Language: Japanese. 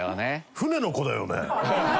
船の子だよね？